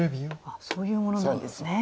そういうものなんですね。